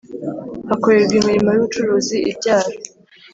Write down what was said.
Hakorerwa imirimo y ubucuruzi ibyara